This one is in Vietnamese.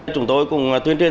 chúng tôi cũng tuyên truyền